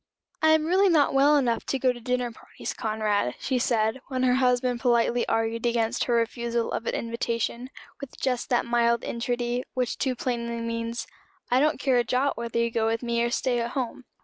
"I am really not well enough to go to dinner parties, Conrad," she said, when her husband politely argued against her refusal of an invitation, with just that mild entreaty which too plainly means, "I don't care a jot whether you go with me or stay at home."